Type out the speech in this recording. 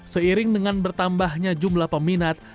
seiring dengan bertambahnya jumlah peminat